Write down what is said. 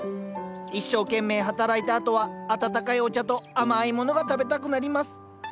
一生懸命働いたあとは温かいお茶と甘いものが食べたくなります